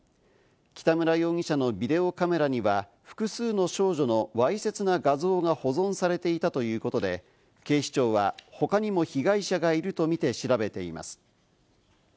北村容疑者のビデオカメラには複数の少女のわいせつな画像が保存されていたということで、警視庁は他にも被害者がいるとみて調べています。